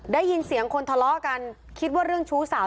ได้ยินเสียงคนทะเลาะกันคิดว่าเรื่องชู้สาว